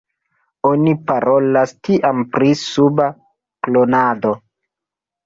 Oni parolas tiam pri sub-klonado.